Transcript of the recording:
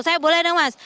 saya boleh dong mas